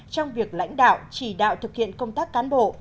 trong việc lãnh đạo chỉ đạo thực hiện công tác cán bộ